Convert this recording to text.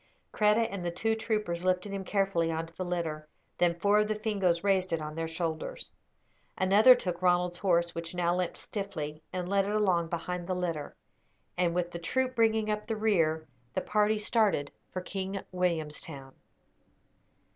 Kreta and the two troopers lifted him carefully on to the litter; then four of the Fingoes raised it to their shoulders. Another took Ronald's horse, which now limped stiffly, and led it along behind the litter; and with the troop bringing up the rear, the party started for King Williamstown.